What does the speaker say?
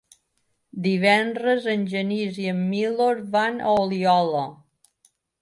Divendres en Genís i en Milos van a Oliola.